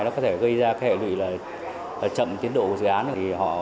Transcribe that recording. nó có thể gây ra hệ luyện chậm tiến độ của dự án